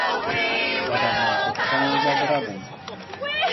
Тата мӗн турткаланса тӑратӑн?